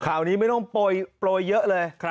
ข่าวนี้ไม่ต้องโปรยเยอะเลย